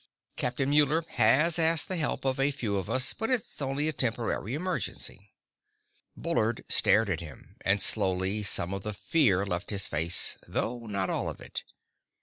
Captain Muller has asked the help of a few of us, but it's only a temporary emergency." Bullard stared at him, and slowly some of the fear left his face though not all of it.